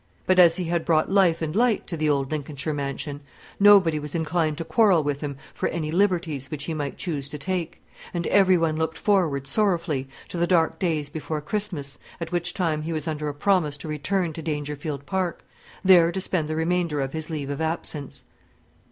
But as he had brought life and light to the old Lincolnshire mansion, nobody was inclined to quarrel with him for any liberties which he might choose to take: and every one looked forward sorrowfully to the dark days before Christmas, at which time he was under a promise to return to Dangerfield Park; there to spend the remainder of his leave of absence.